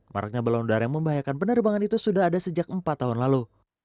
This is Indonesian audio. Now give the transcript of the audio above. maraknya balon udara yang membahayakan penerbangan itu sudah ada sejak empat tahun lalu